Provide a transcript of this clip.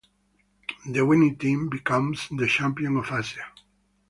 The winning team becomes the champion of Asia.